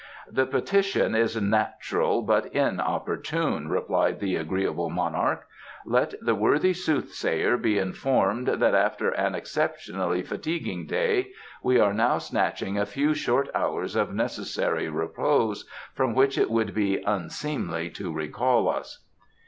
"The petition is natural but inopportune," replied the agreeable Monarch. "Let the worthy soothsayer be informed that after an exceptionally fatiguing day we are now snatching a few short hours of necessary repose, from which it would be unseemly to recall us."